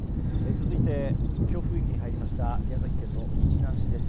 続いて、強風域に入りました宮崎県の日南市です。